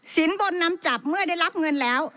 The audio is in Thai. สินบนนำจับเมื่อได้รับเงินแล้ว